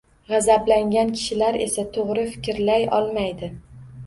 G‘azablangan kishilar esa to‘g‘ri fikrlay olmaydi